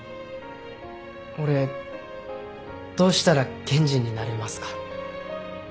俺どうしたら検事になれますか？